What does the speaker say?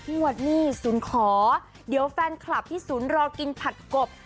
หวดหนี้ศูนย์ขอเดี๋ยวแฟนคลับที่ศูนย์รอกินผัดกบ